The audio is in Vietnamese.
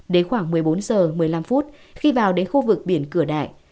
đến khoảng một mươi bốn h một mươi năm khi vào đến khu vực biển cửa đại